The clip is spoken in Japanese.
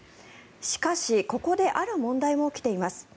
しかし、ここである問題も起きています。